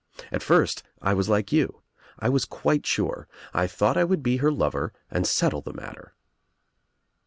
At first I was like you, I was quite sure. I thought I would be her lover and settle the matter."